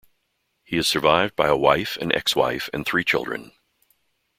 He is survived by a wife, an ex-wife, and three children.